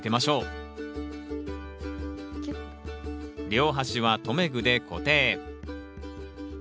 両端は留め具で固定。